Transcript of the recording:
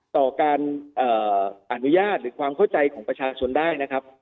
ต่อการอนุญาตหรือความเข้าใจของประชาชนได้นะครับ